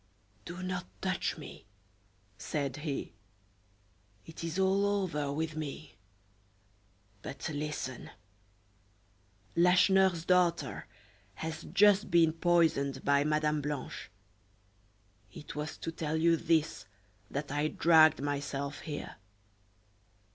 "Do not touch me," said he. "It is all over with me; but listen; Lacheneur's daughter has just been poisoned by Madame Blanche. It was to tell you this that I dragged myself here.